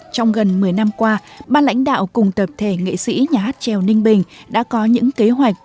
trong gần một mươi năm qua ba lãnh đạo cùng tập thể nghệ sĩ nhà hát trèo ninh bình đã có những kế hoạch